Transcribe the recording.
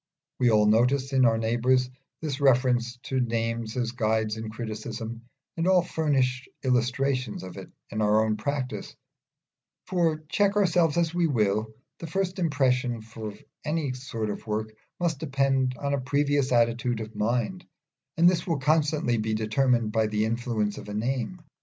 We all notice in our neighbours this reference to names as guides in criticism, and all furnish illustrations of it in our own practice; for, check ourselves as we will, the first impression from any sort of work must depend on a previous attitude of mind, and this will constantly be determined by the influences of a name.